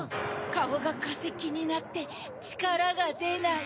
カオがかせきになってちからがでない。